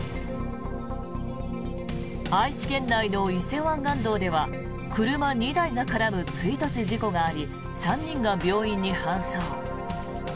愛知県内の伊勢湾岸道では車２台が絡む追突事故があり３人が病院に搬送。